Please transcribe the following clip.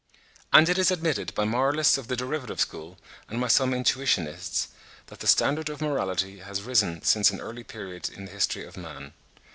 And it is admitted by moralists of the derivative school and by some intuitionists, that the standard of morality has risen since an early period in the history of man.